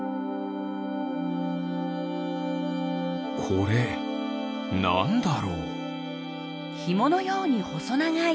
これなんだろう？